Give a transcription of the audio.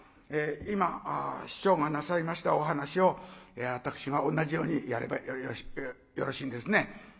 今師匠がなさいましたお噺を私が同じようにやればよろしいんですね？